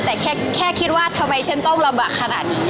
แต่แค่คิดว่าทำไมฉันต้องลำบากขนาดนี้